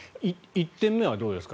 １点目はどうですか？